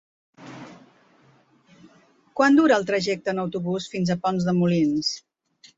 Quant dura el trajecte en autobús fins a Pont de Molins?